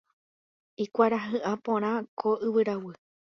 Ikuarahy'ã porã ko yvyraguy.